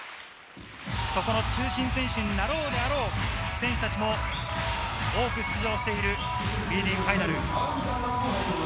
そこの中心選手になるであろう選手たちも多く出場しているＢリーグファイナル。